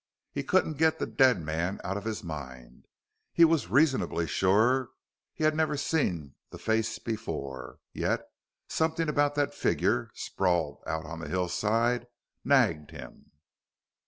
He couldn't get the dead man out of his mind. He was reasonably sure he had never seen the face before; yet something about that figure sprawled out on the hillside nagged him.